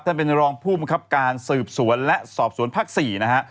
ท่านเป็นรองผู้มีครับการสืบสวนและสอบสวนภาคร์๔นะฮะ